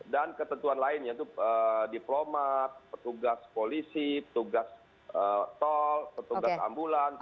dan ketentuan lainnya itu diplomat petugas polisi petugas tol petugas ambulan